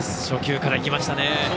初球からいきましたね。